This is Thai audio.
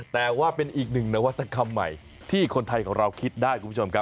แต่ว่าเป็นอีกหนึ่งนวัตกรรมใหม่ที่คนไทยของเราคิดได้คุณผู้ชมครับ